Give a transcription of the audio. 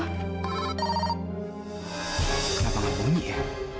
kenapa nggak bunyi ya